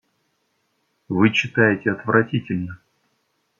Вы читаете отвратительно.